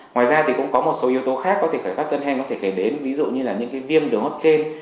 ngoài ra thì cũng có một số yếu tố khác có thể khởi phát cơn hen có thể kể đến ví dụ như là những viêm đường hấp trên